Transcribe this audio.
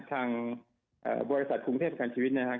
ทางบริษัทกรุงเทพประกันชีวิตนะครับ